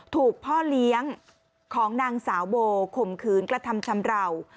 ถูกพ่อเลี้ยงของนางสาวโบข่มขืนกระทำชำราว